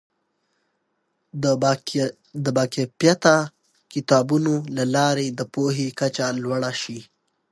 د باکیفیته کتابونو له لارې د پوهې کچه لوړه شي.